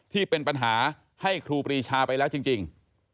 ที่เป็นปัญหาให้ครูปรีชาไปแล้วจริง